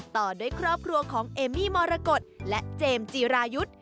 ต่อด้วยครอบครัวของเอมมี่มรกฏและเจมส์จีรายุทธ์